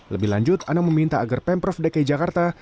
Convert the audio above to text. lebih lanjut anang meminta agar pemprov dki jakarta